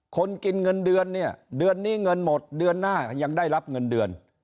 คนกินเงินเดือนเนี่ยเดือนนี้เงินหมดเดือนหน้ายังได้รับเงินเดือน